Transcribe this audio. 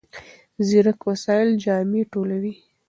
ځیرک وسایل جامې ټولوي.